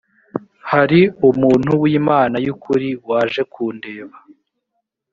hari umuntu w imana y ukuri waje kundeba